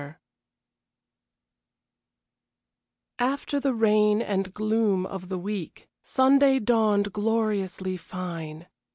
XXV After the rain and gloom of the week, Sunday dawned gloriously fine.